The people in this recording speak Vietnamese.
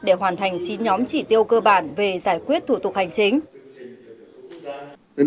để hoàn thành chín nhóm chỉ tiêu cơ bản về giải quyết thủ tục hành chính